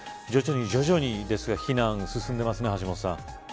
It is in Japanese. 徐々に徐々にですが避難、進んでますね、橋下さん。